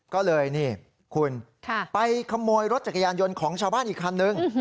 ก็เลยนี่คุณไปขโมยรถจักรยานยนต์ของชาวบ้านอีกคันนึง